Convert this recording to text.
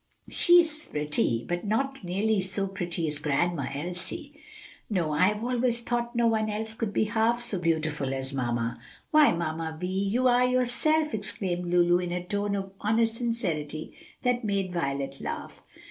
"She is pretty, but not nearly so pretty as Grandma Elsie." "No; I have always thought no one else could be half so beautiful as mamma." "Why, Mamma Vi, you are yourself!" exclaimed Lulu in a tone of honest sincerity that made Violet laugh.